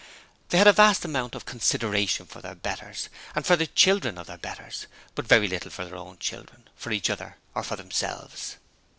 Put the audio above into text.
They had a vast amount of consideration for their betters, and for the children of their betters, but very little for their own children, for each other, or for themselves.